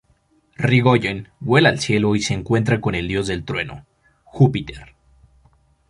Yrigoyen vuela al cielo y se encuentra con el dios del trueno, Júpiter.